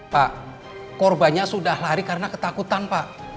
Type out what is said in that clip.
pak korbannya sudah lari karena ketakutan pak